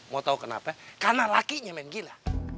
mau tahu kenapa karena lakinya main gila